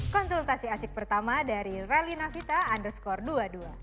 konsultasi asik pertama dari relina vita underscore dua puluh dua